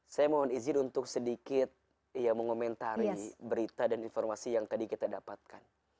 saya mohon izin untuk sedikit mengomentari berita dan informasi yang tadi kita dapatkan